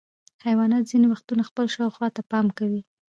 حیوانات ځینې وختونه خپل شاوخوا ته پام کوي.